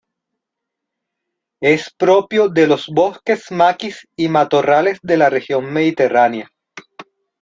Es propio de los bosques, maquis y matorrales de la región mediterránea.